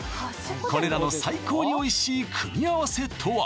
これらの最高においしい組み合わせとは？